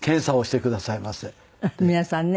皆さんね。